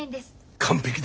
完璧だ。